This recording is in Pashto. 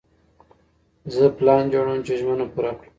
زه پلان جوړوم چې ژمنه پوره کړم.